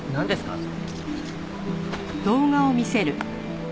それ。